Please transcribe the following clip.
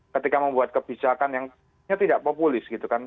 ketika membuat kebijakan yang tidak populis gitu kan